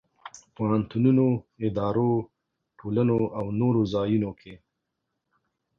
پوهنتونونو، ادارو، ټولنو او نور ځایونو کې.